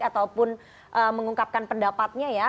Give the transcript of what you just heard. ataupun mengungkapkan pendapatnya ya